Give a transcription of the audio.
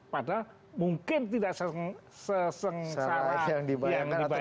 padahal mungkin tidak sesengsara yang dibayangkan